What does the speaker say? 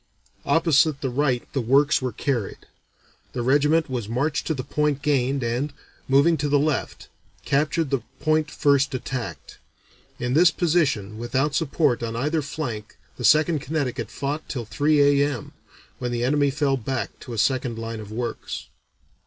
Opposite the right the works were carried. The regiment was marched to the point gained and, moving to the left, captured the point first attacked. In this position without support on either flank the Second Connecticut fought till three A.M., when the enemy fell back to a second line of works."